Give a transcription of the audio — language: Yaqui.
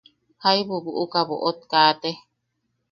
Jaibu buʼuka boʼot kaate.